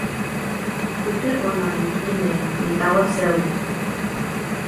kute ona li pimeja, li tawa sewi.